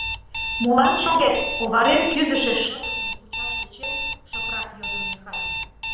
— Молан шогет? — оварен кӱзышӧ шыдыжым кучаш тӧчен, шыпрак йодын механик.